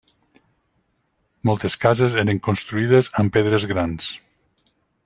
Moltes cases eren construïdes amb pedres grans.